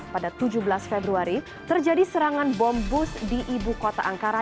pada tujuh belas februari terjadi serangan bom bus di ibu kota angkara